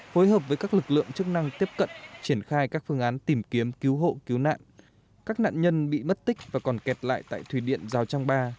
phối hợp với các lực lượng chức năng tiếp cận triển khai các phương án tìm kiếm cứu hộ cứu nạn các nạn nhân bị mất tích và còn kẹt lại tại thủy điện giao trang ba